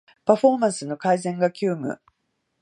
パフォーマンスの改善が急務